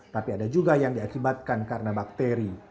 tapi ada juga yang diakibatkan karena bakteri